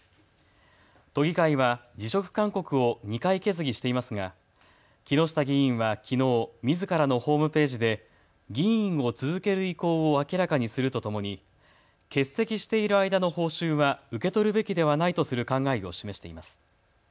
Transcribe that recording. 都議会は辞職勧告を２回決議していますが木下議員はきのう、みずからのホームページで議員を続ける意向を明らかにするとともに欠席している間の報酬は受け取るべきではないとする考えを示しています。